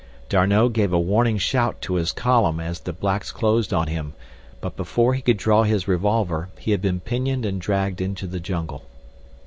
D'Arnot gave a warning shout to his column as the blacks closed on him, but before he could draw his revolver he had been pinioned and dragged into the jungle.